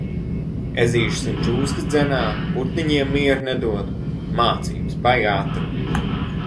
Ezīšus un čūskas dzenā, putniņiem mieru nedod. Mācības, baigā atruna.